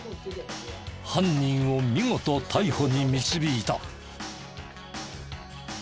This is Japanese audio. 犯人を見事逮捕に導いた。